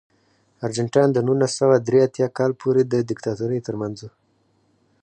ارجنټاین د نولس سوه درې اتیا کال پورې د دیکتاتورۍ ترمنځ و.